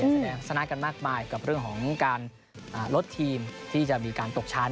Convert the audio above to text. แสดงชนะกันมากมายกับเรื่องของการลดทีมที่จะมีการตกชั้น